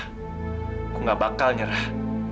aku gak bakal nyerah